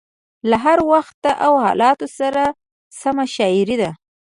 له هر وخت او حالاتو سره سمه شاعري ده.